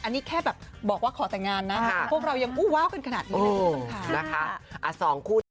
อันนี้แค่แบบบอกว่าขอแต่งงานนะพวกเรายังอู้ว้าวกันขนาดนี้เลยคุณผู้ชม